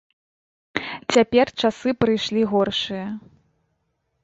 Цяпер часы прыйшлі горшыя.